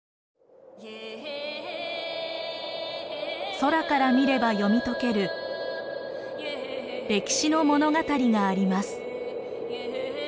空から見れば読み解ける歴史の物語があります。